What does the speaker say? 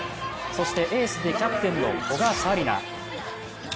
そしてエースでキャプテンの古賀紗理那。